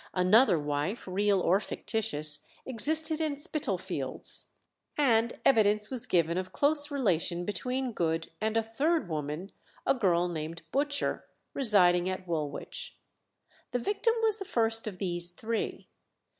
Another wife, real or fictitious, existed in Spitalfields, and evidence was given of close relation between Good and a third woman, a girl named Butcher, residing at Woolwich. The victim was the first of these three.